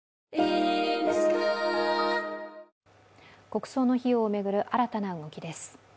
国葬の費用を巡る新たな動きです。